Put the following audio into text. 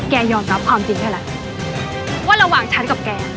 ยอมรับความจริงแค่นั้นว่าระหว่างฉันกับแก